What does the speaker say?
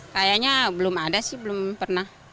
kayaknya belum ada sih belum pernah